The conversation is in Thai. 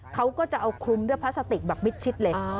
เขาก็จะเอาคลุมด้วยพลาสติกแบบมิดชิดเลย